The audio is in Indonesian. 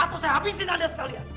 atau saya habisin anda sekalian